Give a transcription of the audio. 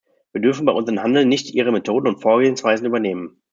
Wir dürfen bei unserem Handeln nicht ihre Methoden und Vorgehensweisen übernehmen.